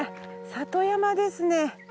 里山ですね。